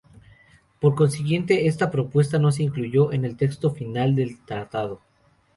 Por consiguiente, esta propuesta no se incluyó en el texto final del tratado.